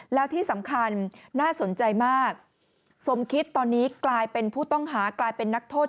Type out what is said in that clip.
แล้วที่สำคัญน่าสนใจมากสมคิดตอนนี้กลายเป็นผู้ต้องหากลายเป็นนักโทษ